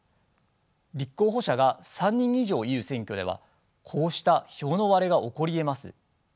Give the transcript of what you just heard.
立候補者が３人以上いる選挙ではこうした票の割れが起こりえます。